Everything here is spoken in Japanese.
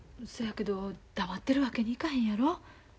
そやけど黙ってるわけにいかへんやろ。